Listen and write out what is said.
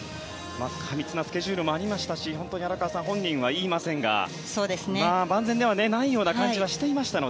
過密スケジュールもありましたし本当に本人は言いませんが万全でない感じはしていました。